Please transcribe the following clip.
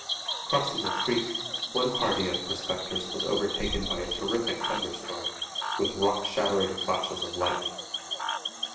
Crossing a creek one party of prospectors was overtaken by a terrific thunderstorm, with rock shattering flashes of lightning.